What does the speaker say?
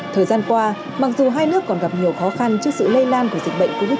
thời gian qua mặc dù hai nước còn gặp nhiều khó khăn trước sự lây lan của dịch bệnh covid một mươi chín